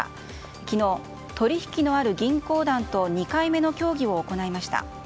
昨日、取引のある銀行団と２回目の協議を行いました。